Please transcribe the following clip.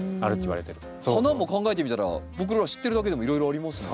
花も考えてみたら僕ら知ってるだけでもいろいろありますもんね。